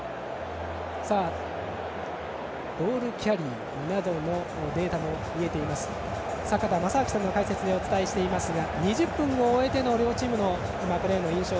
ボールキャリーなどのデータも出ていましたが坂田正彰さんの解説でお伝えしていますが２０分を終えての両チームのプレーの印象